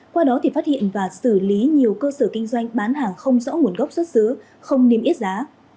qua đó thì phát hiện và xử lý nhiều cơ sở kinh doanh bán hàng không rõ nguồn gốc xuất xứ không niêm yết giá